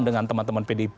dengan teman teman pdp